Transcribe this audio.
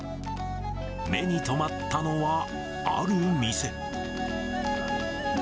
目に留まったのは、ある店。